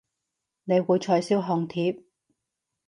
你會取消紅帖